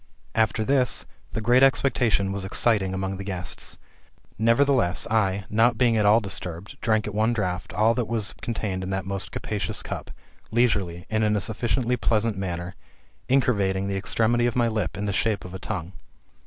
After this, a great expectation was excited among the guests. Nevertheless, I, not being at all disturbed, drank, at one draught, all that was contained in that most capacious cup, leisurely, and in a sufficiently pleasant manner, incurvating the extremity of my lip in the shape of a tongue.